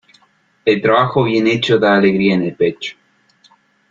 El trabajo bien hecho da alegría en el pecho.